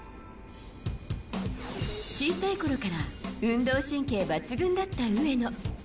小さいころから運動神経抜群だった上野。